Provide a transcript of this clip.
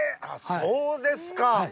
そうですか。